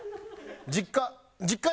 実家。